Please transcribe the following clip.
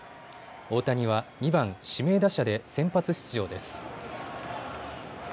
大谷は２番・指名打者で先発出場です。